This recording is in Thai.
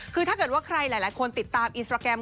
คือถ้าเกิดว่าใครหลายคนติดตามอินสตราแกรม